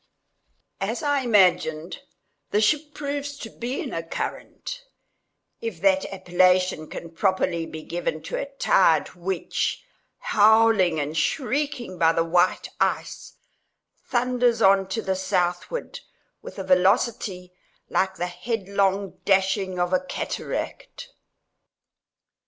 As I imagined, the ship proves to be in a current—if that appellation can properly be given to a tide which, howling and shrieking by the white ice, thunders on to the southward with a velocity like the headlong dashing of a cataract.